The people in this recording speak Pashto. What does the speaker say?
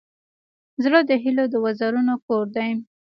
زړه د هيلو د وزرونو کور دی.